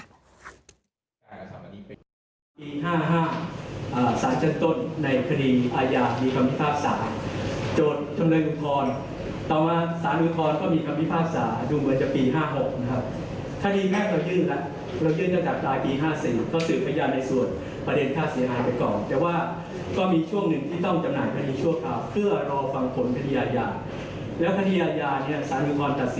ปี๕๕นายสะชัดต้นในคดีอาญามีคำพิพากษา